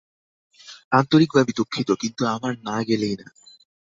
আন্তরিকভাবে দুঃখিত, কিন্তু আমার না গেলেই না।